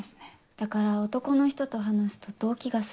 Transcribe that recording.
だから男の人と話すと動悸がする。